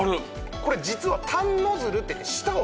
これ実はタンノズルっていって舌を。